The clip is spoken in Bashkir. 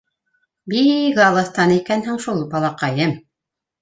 Бик алыҫтан икәнһең шул, балаҡайым.